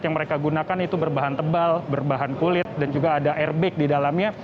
yang mereka gunakan itu berbahan tebal berbahan kulit dan juga ada airbag di dalamnya